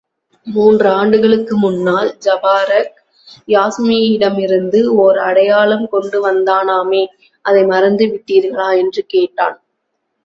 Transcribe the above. மூன்று ஆண்டுகளுக்கு முன்னால், ஜபாரக் யாஸ்மியிடமிருந்து ஓர் அடையாளம் கொண்டு வந்தானாமே அதை மறந்து விட்டீர்களா? என்று கேட்டான்.